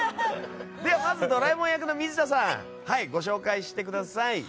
まずドラえもん役の水田さん紹介してください。